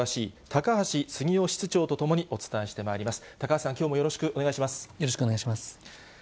高橋さん、きょうもよろしくお願いいたします。